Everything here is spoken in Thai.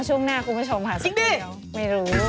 สิ่งดี